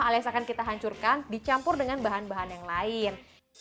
alias akan kita hancurkan dicampur dengan bahan bahan yang lain